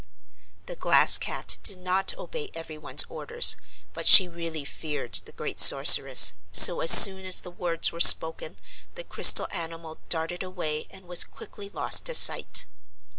The Glass Cat did not obey everyone's orders, but she really feared the great Sorceress, so as soon as the words were spoken the crystal animal darted away and was quickly lost to sight.